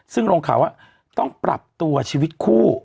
ซึ่งลงข่าวว่าต้องปรับตัวชีวิตคู่